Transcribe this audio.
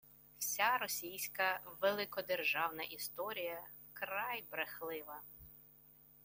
вся російська великодержавна історія – вкрай брехлива